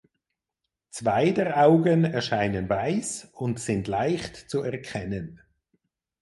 Zwei der Augen erscheinen weiß und sind leicht zu erkennen.